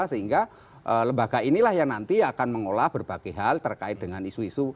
sehingga lembaga inilah yang nanti akan mengolah berbagai hal terkait dengan isu isu